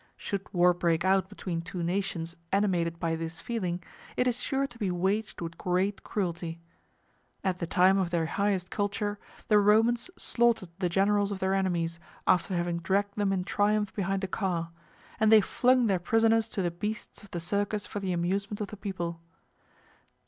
Should war break out between two nations animated by this feeling, it is sure to be waged with great cruelty. At the time of their highest culture, the Romans slaughtered the generals of their enemies, after having dragged them in triumph behind a car; and they flung their prisoners to the beasts of the Circus for the amusement of the people.